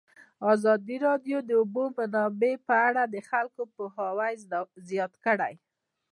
ازادي راډیو د د اوبو منابع په اړه د خلکو پوهاوی زیات کړی.